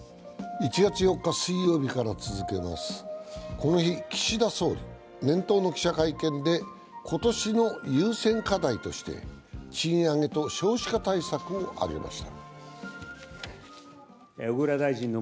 この日、岸田総理、年頭の記者会見で今年の優先課題として賃上げと少子化対策を挙げました。